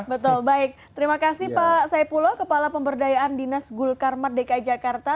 betul baik terima kasih pak saipulo kepala pemberdayaan dinas gulkarmat dki jakarta